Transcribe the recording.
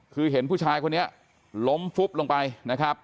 คือเห็นผู้ชายคนนี้ล้มฟุบลงไปนะครับ